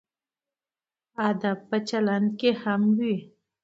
ادب په چلند کې هم وي.